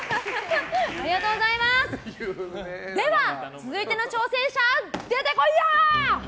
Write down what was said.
続いての挑戦者、出てこいや！